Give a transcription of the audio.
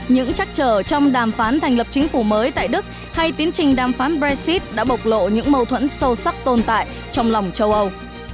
những trắc trở trong đàm phán thành lập chính phủ mới tại đức hay tiến trình đàm phán brexit đã bộc lộ những mâu thuẫn sâu sắc tồn tại trong lòng châu âu